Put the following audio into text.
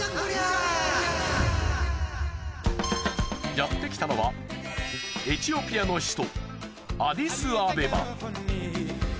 やってきたのはエチオピアの首都アディスアベバ。